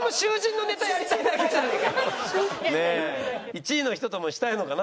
１位の人ともしたいのかな？